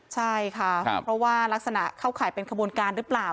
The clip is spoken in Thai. ใช่ค่ะเพราะว่ารักษณะเข้าข่ายเป็นขบวนการหรือเปล่า